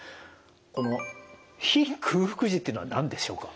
この非空腹時っていうのは何でしょうか？